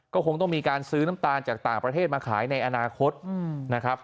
ก็คงต้องมีการซื้อน้ำตาลจากต่างประเทศมาขายในอนาคตนะครับ